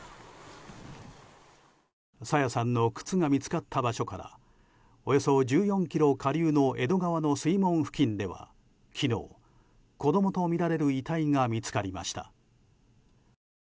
朝芽さんの靴が見つかった場所からおよそ１４ｋｍ下流の江戸川の水門付近では昨日、子供とみられる遺体が見つかりました。